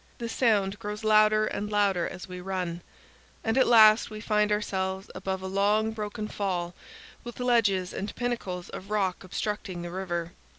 The sound grows louder and louder as we run, and at last we find ourselves above a long, broken fall, with ledges and pinnacles of 250 CANYONS OF THE COLORADO. rock obstructing the river.